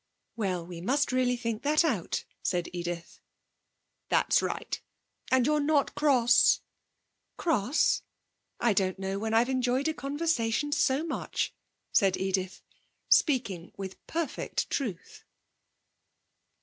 'Well, we must really think that out,' said Edith. 'That's right. And you're not cross?' 'Cross? I don't know when I've enjoyed a conversation so much,' said Edith, speaking with perfect truth.